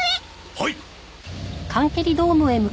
はい！